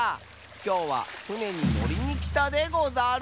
きょうはふねにのりにきたでござる。